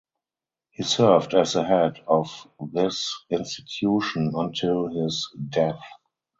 He served as the head of this institution until his death.